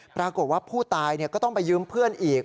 ปรากฏว่าผู้ตายก็ต้องไปยืมเพื่อนอีก